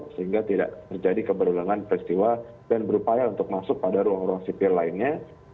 sehingga tidak terjadi keberulangan peristiwa dan berupaya untuk masuk pada ruang ruang sipil lainnya